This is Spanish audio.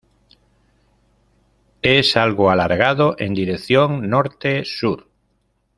Es algo alargado en dirección norte-sur.